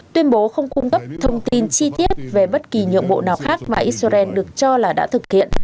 tuyên bố không cung cấp thông tin chi tiết về bất kỳ nhượng bộ nào khác mà israel được cho là đã thực hiện